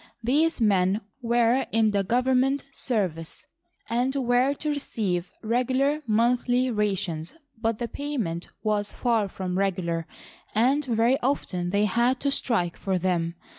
These men were in the government service, and were to receive regular monthly rations ; but the pay ment was far from regular, and very often thev had to strike for them.